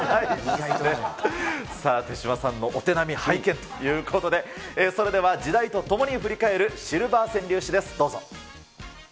さあ、手嶋さんのお手並み拝見ということで、それでは時代とともに振り返るシルバー川柳史です。